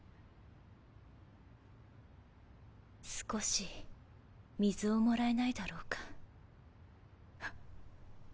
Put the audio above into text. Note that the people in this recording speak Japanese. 少し水をもらえないだろうか。